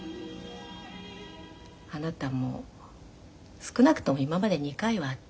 あなたも少なくとも今まで２回はあった。